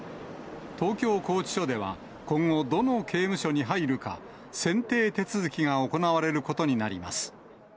東京拘置所では、今後、どの刑務所に入るか、選定手続きが行われることになります。